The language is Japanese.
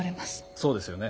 そうですよね。